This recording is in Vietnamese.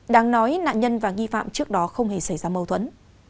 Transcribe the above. đáng nói nạn nhân và nghi phạm trước đó không hề xảy ra mâu thuẫn